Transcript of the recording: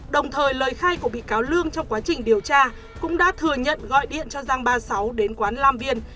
đồng thời lời khai của bị cáo lương trong quá trình điều tra cũng đã thừa nhận gọi điện cho giang ba mươi sáu đến quán lam viên